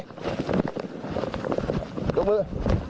ยกมือ